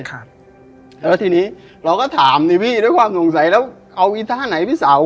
แล้วทีนี้เราก็ถามนี่พี่ด้วยความสงสัยแล้วเอาอีท่าไหนพี่สาว